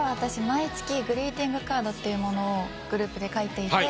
毎月グリーティングカードっていうものをグループで描いていて。